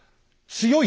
強い。